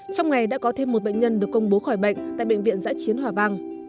trong ngày đã có thêm một bệnh nhân được công bố khỏi bệnh tại bệnh viện giã chiến hòa vang